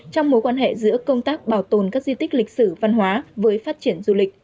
trong mối quan hệ giữa công tác bảo tồn các di tích lịch sử văn hóa với phát triển du lịch